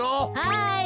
はい。